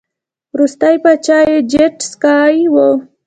وروستی پاچا یې جیډ سکای و